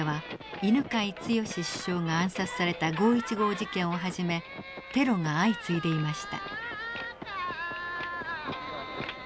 犬養毅首相が暗殺された五・一五事件をはじめテロが相次いでいました。